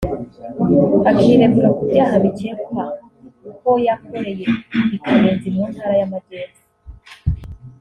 akiregura ku byaha bikekwa ko yakoreye i Kayenzi mu Ntara y’Amajyepfo